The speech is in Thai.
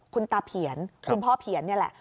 คุณตาเพียนคุณพ่อเผียนนี่แหละ